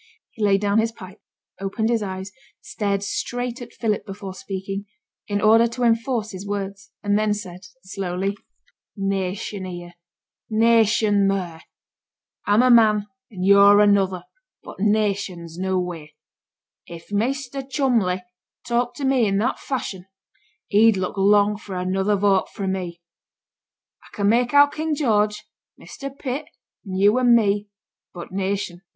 He laid down his pipe, opened his eyes, stared straight at Philip before speaking, in order to enforce his words, and then said slowly 'Nation here! nation theere! I'm a man and yo're another, but nation's nowheere. If Measter Cholmley talked to me i' that fashion, he'd look long for another vote frae me. I can make out King George, and Measter Pitt, and yo' and me, but nation!